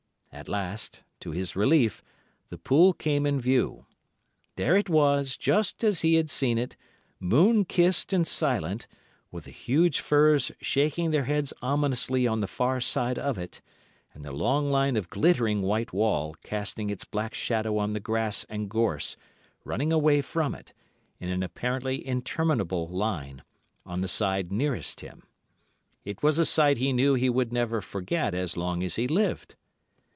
At last, to his relief, the pool came in view. There it was, just as he had seen it, moon kissed and silent, with the huge firs shaking their heads ominously on the far side of it, and the long line of glittering white wall casting its black shadow on the grass and gorse, running away from it, in an apparently interminable line, on the side nearest him. It was a sight he knew he would never forget as long as he lived.